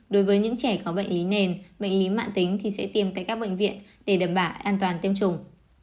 đối với những trẻ có bệnh lý nền bệnh lý mạng tính thì sẽ tiêm tại các bệnh viện để đảm bảo an toàn tiêm chủng